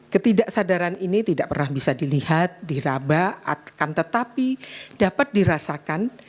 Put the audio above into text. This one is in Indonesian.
ketidaksadaran ini tidak pernah bisa dilihat diraba akan tetapi dapat dirasakan